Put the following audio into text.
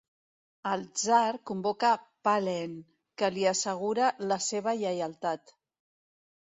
El tsar convoca Pahlen, que li assegura la seva lleialtat.